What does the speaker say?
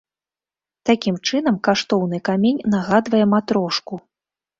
Такім чынам, каштоўны камень нагадвае матрошку.